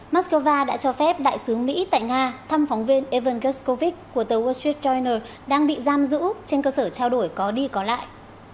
moscow đã cho phép đại sứ mỹ tại nga thăm phóng viên ivan gershkovich của tờ wall street journal đang bị giam giữ trên cơ sở trao đổi có đi có lại